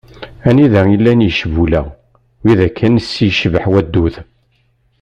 Anida i llan yicbula, wid akken i ssi yecbeḥ waddud.